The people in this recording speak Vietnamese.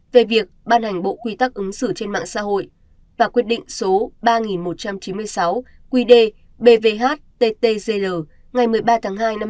về việc ban hành bộ quy tắc ứng xử trên mạng xã hội và quyết định số ba nghìn một trăm chín mươi sáu quy đề bvhttzl ngày một mươi ba tháng hai năm hai nghìn hai mươi một